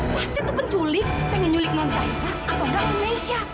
pasti itu penculik yang nyulik nonzairah atau tidak indonesia